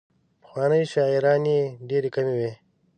پخوانۍ شاعرانې ډېرې کمې وې.